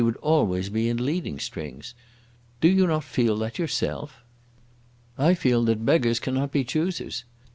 She would always be in leading strings. Do you not feel that yourself?" "I feel that beggars cannot be choosers.